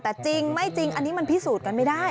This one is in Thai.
แต่จริงไม่จริงอันนี้มันพิสูจน์กันไม่ได้